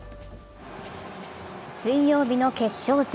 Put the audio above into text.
水曜日の決勝戦